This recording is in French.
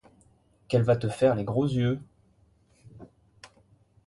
Qu’elle va te faire les gros yeux ?